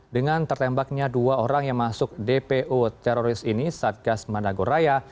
dengan tertembaknya dua orang yang masuk dpo teroris ini satgas managoraya